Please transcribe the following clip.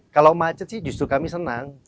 kalau macet sih justru kami senang